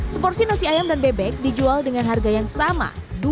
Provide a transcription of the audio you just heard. seporsi nasi ayam dan bebek dijual dengan harga yang sama